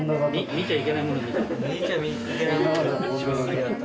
見ちゃいけないものを見た。